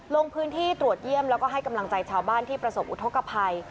ลงพื้นที่ตรวจเยี่ยมแล้วก็ให้กำลังใจชาวบ้านที่ประสบอุทธกภัย